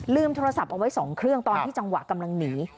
โทรศัพท์เอาไว้๒เครื่องตอนที่จังหวะกำลังหนี